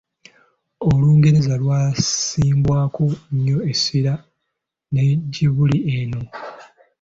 Olungereza lwassibwako nnyo essira ne gye buli eno.